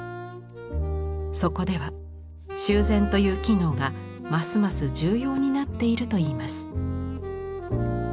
そこでは修繕という機能がますます重要になっているといいます。